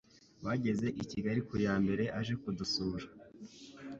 Bageze i Kigali kuyambere aje kudusura